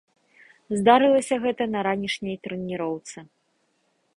Здарылася гэта на ранішняй трэніроўцы.